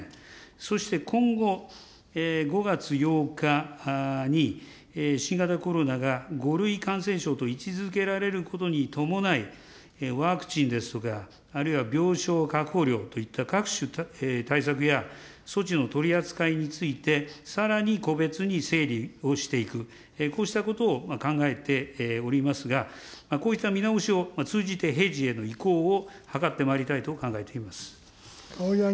そして今後、５月８日に新型コロナが５類感染症の位置づけられることに伴い、ワクチンですとか、あるいは病床確保料といった各種対策や、措置の取り扱いについて、さらに個別に整理をしていく、こうしたことを考えておりますが、こうした見直しを通じて、平時への移行を図ってまいりたいと考えております。